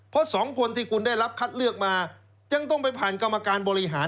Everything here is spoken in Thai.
เพราะสองคนที่คุณได้รับคัดเลือกมาจึงต้องไปผ่านกรรมการบริหาร